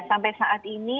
sampai saat ini